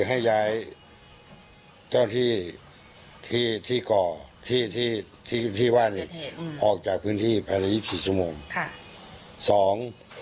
๑ให้ย้ายเจ้าที่ที่ก่อที่ที่ว่านออกจากพื้นที่๒๔ชั่วโมง